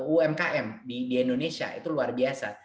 umkm di indonesia itu luar biasa